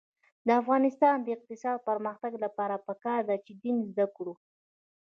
د افغانستان د اقتصادي پرمختګ لپاره پکار ده چې دین زده کړو.